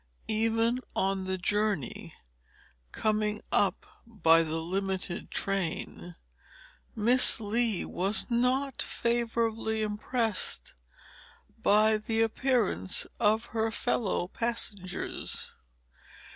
Even on the journey, coming up by the limited train, Miss Lee was not favorably impressed by the appearance of her fellow passengers.